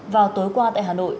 vào tối qua tại hà nội